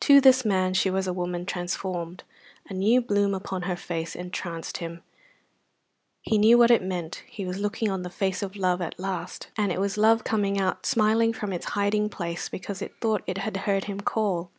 To this man she was a woman transformed. The new bloom upon her face entranced him. He knew what it meant. He was looking on the face of love at last, and it was love coming out smiling from its hiding place because it thought it had heard him call.